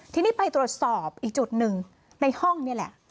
ทีนี้ไปตรวจสอบอีกจุดหนึ่งในห้องนี่แหละ